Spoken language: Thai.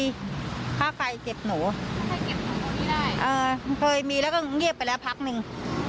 รู้สึกดีถ้าไปเก็บหนูมีแล้วก็เงียบไปแล้วพักหนึ่ง